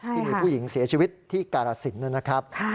ที่มีผู้หญิงเสียชีวิตที่กาลสินนะครับ